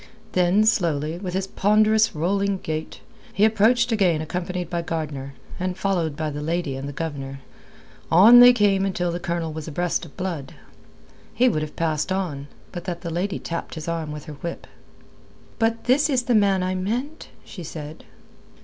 Then slowly, with his ponderous, rolling gait, he approached again accompanied by Gardner, and followed by the lady and the Governor. On they came until the Colonel was abreast of Blood. He would have passed on, but that the lady tapped his arm with her whip. "But this is the man I meant," she said.